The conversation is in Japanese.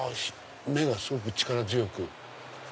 目がすごく力強く。